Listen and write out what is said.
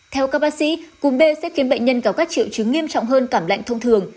theo các bác sĩ cúm b sẽ khiến bệnh nhân có các triệu chứng nghiêm trọng hơn cảm lạnh thông thường